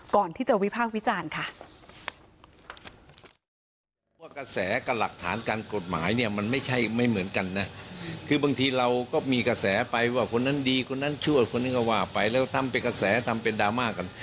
ก่อนที่จะวิพากษ์วิจารณ์ค่ะ